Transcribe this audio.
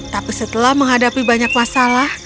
tapi setelah menghadapi banyak masalah